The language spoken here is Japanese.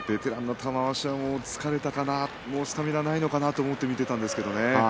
玉鷲は疲れたかなもうスタミナがないのかなと思って見ていたんですけどね。